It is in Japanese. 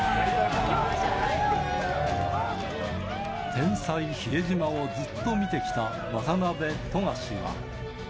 天才比江島をずっと見てきた渡邊、富樫は。